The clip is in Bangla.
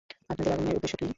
আপনাদের আগমনের উদ্দেশ্য কী?